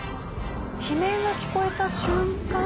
悲鳴が聞こえた瞬間。